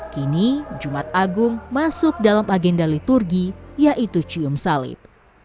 kini jumat agung masuk dalam agenda liturgi yaitu cium salib